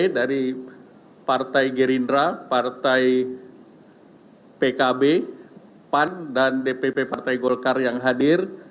dari partai gerindra partai pkb pan dan dpp partai golkar yang hadir